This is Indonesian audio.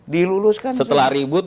diluluskan setelah ribut